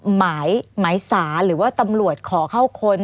หมายสารหรือว่าตำรวจขอเข้าคน